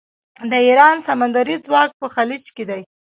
د ایران سمندري ځواک په خلیج کې دی.